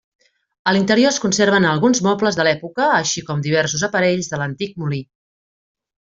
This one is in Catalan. A l'interior es conserven alguns mobles de l'època, així com diversos aparells de l'antic molí.